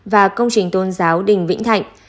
và công trình tôn giáo đình vĩnh thạnh